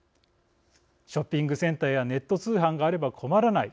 「ショッピングセンターやネット通販があれば困らない。